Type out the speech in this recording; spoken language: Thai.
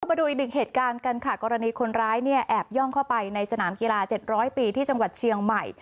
มาดูอีกหนึ่งเหตุการณ์กันค่ะกรณีคนร้ายเนี่ยแอบย่องเข้าไปในสนามกีฬา๗๐๐ปีที่จังหวัดเชียงใหม่